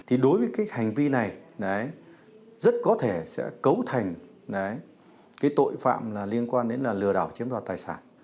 thì đối với cái hành vi này rất có thể sẽ cấu thành cái tội phạm liên quan đến là lừa đảo chiếm đoạt tài sản